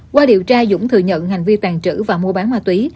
qua điều tra dũng thừa nhận hành vi tàn trữ và mua bán ma túy